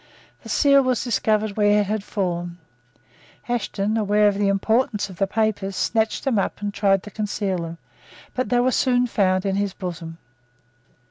The seal was discovered where it had fallen. Ashton, aware of the importance of the papers, snatched them up and tried to conceal them; but they were soon found in his bosom.